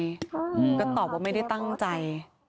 อืมก็ตอบว่าไม่ได้ตั้งใจ